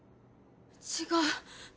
違う。